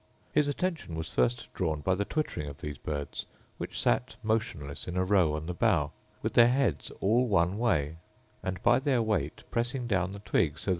His attention was first drawn by the twittering of these birds, which sat motionless in a row on the bough, with their heads all one way, and, by their weight, pressing down the twig so that it nearly touched the water.